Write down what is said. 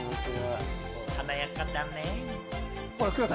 華やかだね！